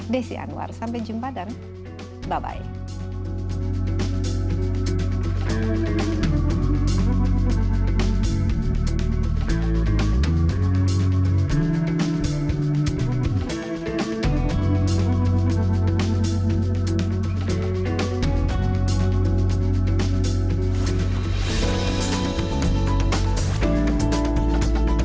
desi anwar sampai jumpa dan bye bye